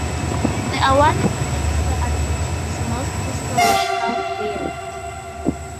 The award is given to the Athletics' most inspirational player.